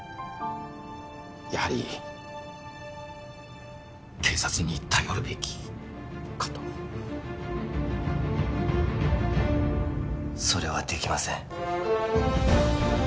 やはり警察に頼るべきかとそれはできません